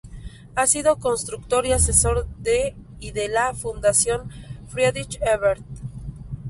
Ha sido consultor y asesor de y de la Fundación Friedrich Ebert.